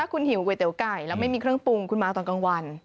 คุณหิวก๋วยเตี๋ยวไก่แล้วไม่มีเครื่องปรุงคุณมาตอนกลางวัน